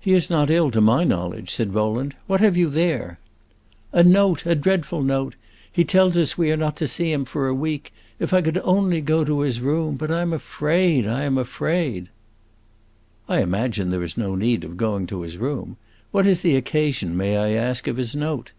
"He is not ill, to my knowledge," said Rowland. "What have you there?" "A note a dreadful note. He tells us we are not to see him for a week. If I could only go to his room! But I am afraid, I am afraid!" "I imagine there is no need of going to his room. What is the occasion, may I ask, of his note?"